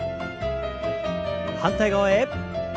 反対側へ。